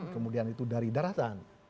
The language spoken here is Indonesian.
kemudian itu dari daratan